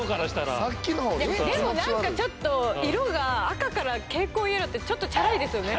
でも何かちょっと色が赤から蛍光色ってちょっとチャラいですよね。